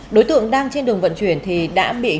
đối tượng đang trên đường vận chuyển thì đã bị